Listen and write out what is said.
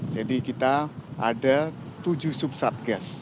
jadi kita ada tujuh sub satgas